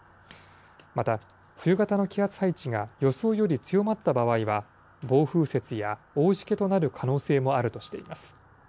また冬型の気圧配置が予想より強まった場合は、暴風雪や大しけとなる可能性もあるとしています。